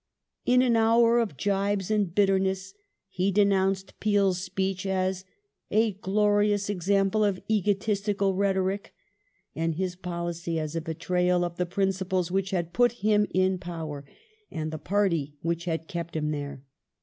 In " an hour of gibes and bitterness " he denounced Peel's speech as " a glorious example of egotistical rhetoric,'' and .his policy as a betrayal of the principles which had put him in power and the party which had kept him there.